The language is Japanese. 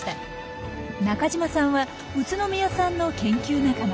中島さんは宇都宮さんの研究仲間。